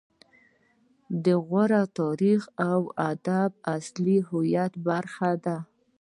د غور تاریخ او ادب زموږ د اصلي هویت برخه ده